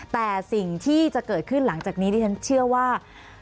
แต่สิ่งที่จะเกิดขึ้นหลังจากนี้ที่ฉันเชื่อว่า